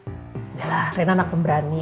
udah lah raina anak pemberani